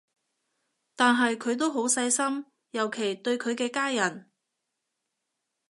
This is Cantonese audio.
但係佢都好細心，尤其對佢嘅家人